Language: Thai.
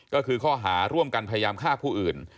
ก็คือข้อหาร่วมกันพยายามฆ่าผู้อื่น